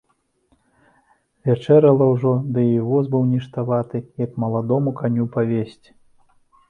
Вечарэла ўжо, ды й воз быў ніштаваты, як маладому каню павезці.